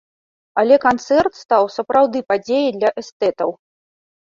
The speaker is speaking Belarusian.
Але канцэрт стаў сапраўды падзеяй для эстэтаў.